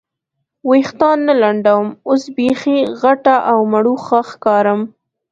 وریښتان نه لنډوم، اوس بیخي غټه او مړوښه ښکارم.